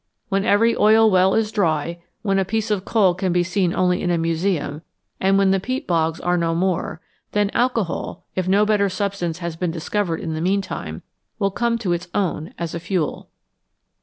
When every oil well is dry, when a piece of coal can be seen only in a museum, and when the peat bogs are no more, then alcohol, if no better substance has been discovered in the meantime, will come to its own as a fuel.